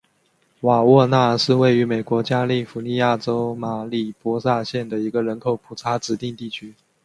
瓦沃纳是位于美国加利福尼亚州马里波萨县的一个人口普查指定地区。